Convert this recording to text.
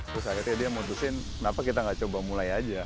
terus akhirnya dia memutuskan kenapa kita gak coba mulai aja